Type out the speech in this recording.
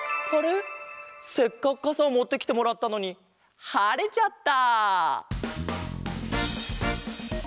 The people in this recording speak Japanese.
せっかくかさをもってきてもらったのにはれちゃった！